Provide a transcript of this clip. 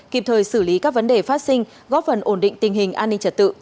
kịp thời xử lý các vấn đề phát sinh góp phần ổn định tình hình an ninh trật tự trên địa bàn